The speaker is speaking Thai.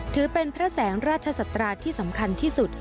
ถือเป็นพระแสงราชศัตราที่สำคัญที่สุด